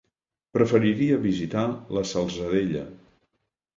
Preferiria visitar la Salzadella.